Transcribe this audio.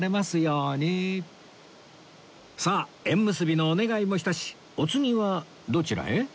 さあ縁結びのお願いもしたしお次はどちらへ？